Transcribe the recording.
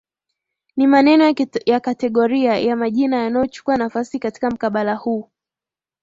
Ni maneno ya kategoria ya majina yanachukua nafasi katika mkabala huu